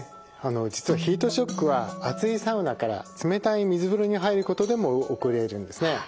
実はヒートショックは熱いサウナから冷たい水風呂に入ることでも起こりえるんですね。